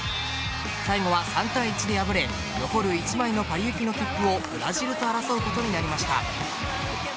最後は３対１で敗れ残る１枚のパリ行きの切符をブラジルと争うことになりました。